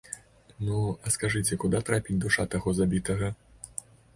Ну, а скажыце, куды трапіць душа таго забітага?